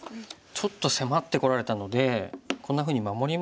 ちょっと迫ってこられたのでこんなふうに守りますと。